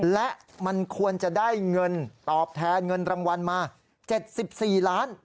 และมันควรจะได้เงินตอบแทนเงินรางวัลมา๗๔ล้าน